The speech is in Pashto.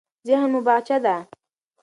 ذهن مو باغچه ده.